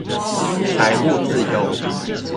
財務自由